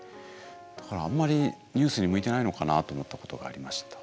だからあんまりニュースに向いてないのかなと思ったことがありました。